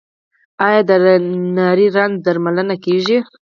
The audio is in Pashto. آیا د نري رنځ درملنه کیږي؟